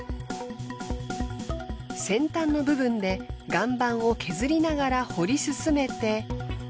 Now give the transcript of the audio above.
先端の部分で岩盤を削りながら掘り進めて。